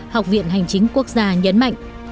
học viện hành chính quốc gia nhấn mạnh